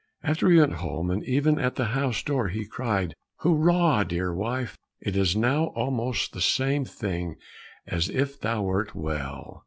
After that he went home, and even at the house door he cried, "Hurrah! dear wife, it is now almost the same thing as if thou wert well!